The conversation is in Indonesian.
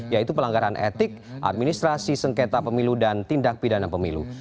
yaitu pelanggaran etik administrasi sengketa pemilu dan tindak pidana pemilu